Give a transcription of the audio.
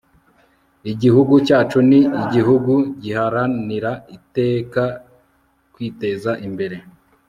igihugu cyacu ni igihugu giharanira iteka kwiteza imbere